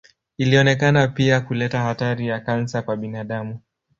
Ilionekana pia kuleta hatari ya kansa kwa binadamu.